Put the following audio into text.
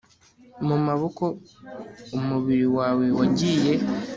mu maboko umubiri wawe wagiye